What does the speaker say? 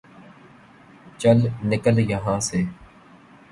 چل نکل یہا سے ـ